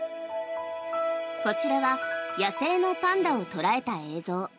こちらは野生のパンダを捉えた映像。